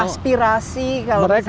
yang aspirasi kalau bisa jadi ada